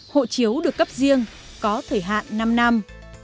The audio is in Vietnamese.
hộ chiếu được cấp riêng có thời hạn năm năm